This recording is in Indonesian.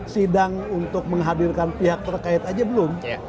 sidang untuk menghadirkan pihak terkait aja belum